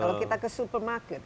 kalau kita ke supermarket